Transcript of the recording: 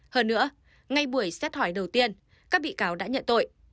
hơn nữa ngay buổi xét hỏi đầu tiên các bị cáo đã nhận tội